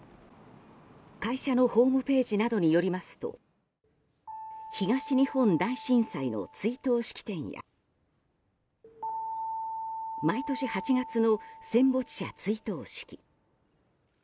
会社のホームページなどによりますと東日本大震災の追悼式典や毎年８月の戦没者追悼式